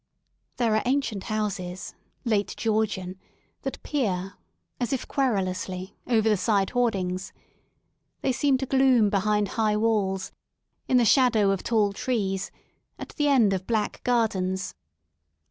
There are ancient houses, late Georgian, that peer, as if querulously, over the side hoardings. They seem to gloom behind high walls, in the shadow of tall trees, at the end of black gardens.